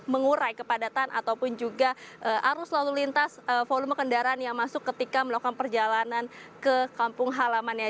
mengurai kepadatan ataupun juga arus lalu lintas volume kendaraan yang masuk ketika melakukan perjalanan ke kampung halamannya